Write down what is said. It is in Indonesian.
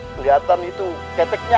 kelihatan itu keteknya